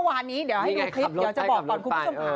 วันนี้อยากจะบอกคุณผู้ชมพา